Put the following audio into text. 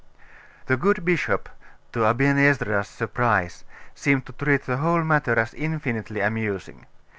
The good bishop, to Aben Ezra's surprise, seemed to treat the whole matter as infinitely amusing.